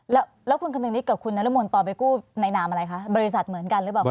แล้วคุณคณึงนิดกับคุณนรมนตอนไปกู้ในนามอะไรคะบริษัทเหมือนกันหรือเปล่าคะ